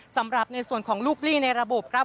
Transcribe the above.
สำหรับในส่วนของลูกหลีในระบบครับ